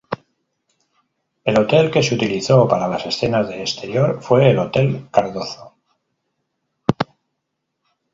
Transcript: El hotel que se utilizó para las escenas de exterior fue el Hotel Cardozo.